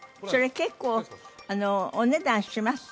それ結構お値段します？